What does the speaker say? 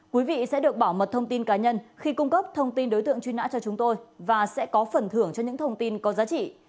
quý vị sẽ được bảo mật thông tin cá nhân khi cung cấp thông tin đối tượng truy nã cho chúng tôi và sẽ có phần thưởng cho những thông tin có giá trị